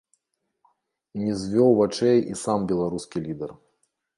Не звёў вачэй і сам беларускі лідэр.